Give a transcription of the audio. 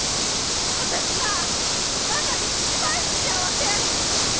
私な今が一番幸せやねん！